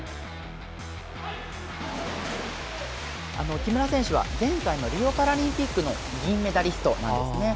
木村選手は前回リオパラリンピックの銀メダリストなんですね。